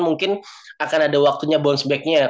mungkin akan ada waktunya bounce back nya